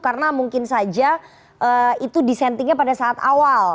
karena mungkin saja itu disentingnya pada saat awal